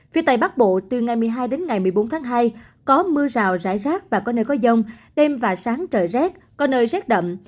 phía tây bắc bộ từ ngày một mươi hai đến ngày một mươi bốn tháng hai có mưa rào rải rác và có nơi có dông đêm và sáng trời rét có nơi rét đậm